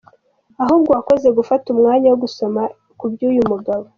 Ahubwo wakoze gufata umwanya wo gusoma kuby’uyu mugabo!